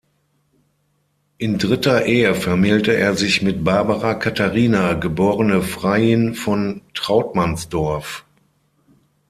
In dritter Ehe vermählte er sich mit Barbara Katharina geborene Freiin von Trauttmansdorff.